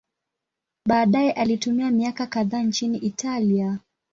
Baadaye alitumia miaka kadhaa nchini Italia.